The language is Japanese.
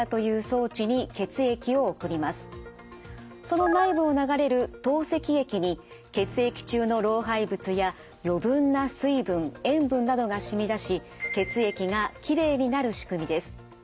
その内部を流れる透析液に血液中の老廃物や余分な水分塩分などが染み出し血液がきれいになる仕組みです。